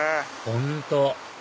本当